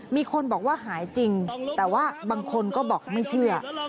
มีคนบอกว่าหายจริงแต่ว่าบางคนก็บอกไม่เชื่อ